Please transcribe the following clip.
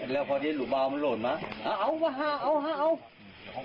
เดี๋ยวภูมิมาให้จัดท้ายลูกผม